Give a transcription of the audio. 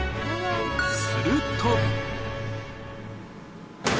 すると。